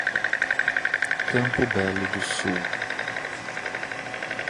Campo Belo do Sul